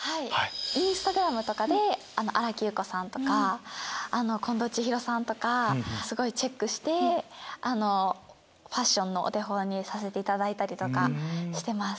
Ｉｎｓｔａｇｒａｍとかで新木優子さんとか近藤千尋さんとかすごいチェックしてファッションのお手本にさせていただいたりとかしてます。